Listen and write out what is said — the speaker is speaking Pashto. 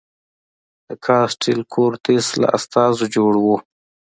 د کاسټیل کورتس له استازو جوړ و.